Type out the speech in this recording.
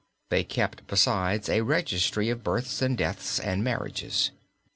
They kept, besides, a registry of births and deaths and marriages.